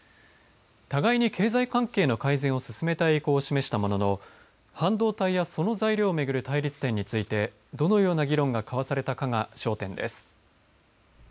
互いに経済関係の改善を進めたい意向を示したものの半導体やその材料を巡る対立点についてどのような議論が交わされたかが焦点です。